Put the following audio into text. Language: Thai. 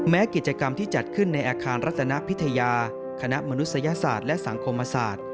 กิจกรรมที่จัดขึ้นในอาคารรัตนพิทยาคณะมนุษยศาสตร์และสังคมศาสตร์